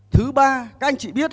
thứ ba các anh chị biết